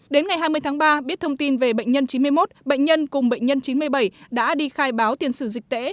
đến ngày hai mươi tháng ba biết thông tin về bệnh nhân chín mươi một bệnh nhân cùng bệnh nhân chín mươi bảy đã đi khai báo tiền sử dịch tễ